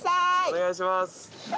お願いします。